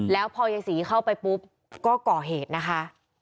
แล้วพอยายศรีเข้าไปปุ๊บก็ก่อเหตุนะคะ